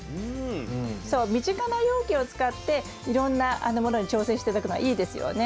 そう身近な容器を使っていろんなものに挑戦して頂くのはいいですよね。